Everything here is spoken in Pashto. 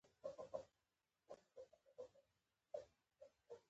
د یو ښه ملګري شتون د انسان د خوشحالۍ سبب ګرځي.